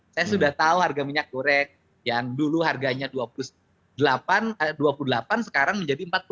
saya sudah tahu harga minyak goreng yang dulu harganya rp dua puluh delapan sekarang menjadi rp empat puluh